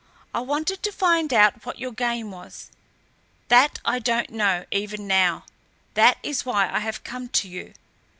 I wanted to find out what your game was. That I don't know, even now. That is why I have come to you.